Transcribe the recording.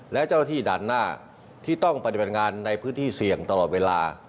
และเจ้าหน้าที่ต้องปฏิบันงานในพื้นที่เสี่ยงตลอดเวลา